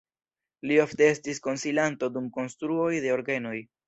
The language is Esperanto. Li ofte estis konsilanto dum konstruoj de orgenoj.